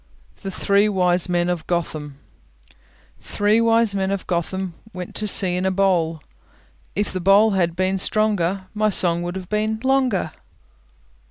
THE THREE WISE MEN OF GOTHAM Three wise men of Gotham Went to sea in a bowl: If the bowl had been stronger, My song would have been longer.